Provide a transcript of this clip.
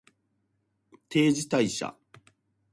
定時退社